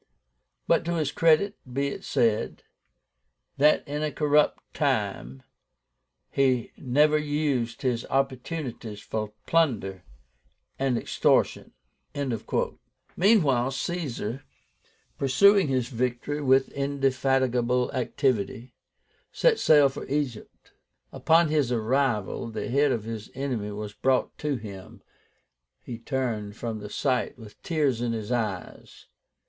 But to his credit be it said, that in a corrupt time he never used his opportunities for plunder and extortion." Meanwhile Caesar, pursuing his victory with indefatigable activity, set sail for Egypt. Upon his arrival the head of his enemy was brought to him. He turned from the sight with tears in his eyes.